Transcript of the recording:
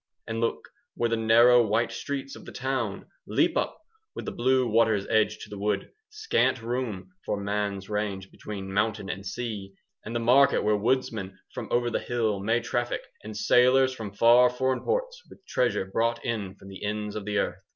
And look, where the narrow white streets of the town Leap up from the blue water's edge to the wood, 15 Scant room for man's range between mountain and sea, And the market where woodsmen from over the hill May traffic, and sailors from far foreign ports With treasure brought in from the ends of the earth.